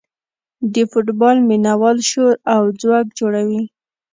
د فوټبال مینه وال شور او ځوږ جوړوي.